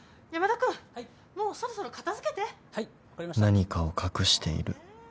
［何かを隠している。